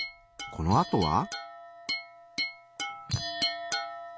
このあとは？